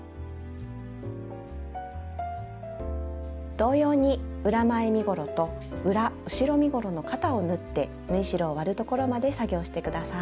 同様に裏前身ごろと裏後ろ身ごろの肩を縫って縫い代を割るところまで作業して下さい。